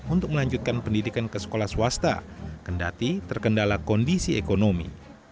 untuk melanjutkan pendidikan ke sekolah swasta kendati terkendala kondisi ekonomi